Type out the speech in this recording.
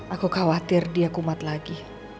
aku khawatir dia kumat lagi